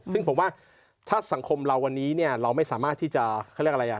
ซึ่งผมว่าถ้าสังคมเราวันนี้เนี่ยเราไม่สามารถที่จะเขาเรียกอะไรอ่ะ